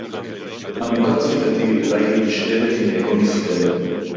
עָמְקָה תְפִלָּתִי וְאוּלַי הִיא נִשְׁאֶבֶת מִיגוֹן יִשְׂרָאֵל